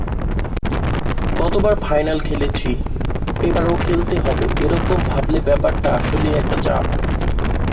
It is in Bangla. গতবার ফাইনাল খেলেছি, এবারও খেলতে হবে—এ রকম ভাবলে ব্যাপারটা আসলেই একটা চাপ।